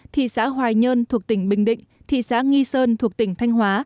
thị xã hoài nhơn thuộc tỉnh bình định thị xã nghi sơn thuộc tỉnh thanh hóa